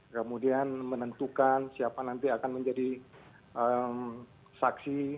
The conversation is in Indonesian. kemudian menentukan siapa nanti akan menjadi saksi